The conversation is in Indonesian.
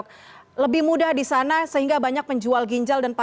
karena bisa penyakit tu ini eigen gang saysmar dan buta agarokay